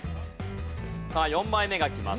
さあ４枚目がきます。